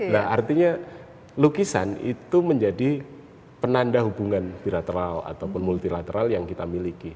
nah artinya lukisan itu menjadi penanda hubungan bilateral ataupun multilateral yang kita miliki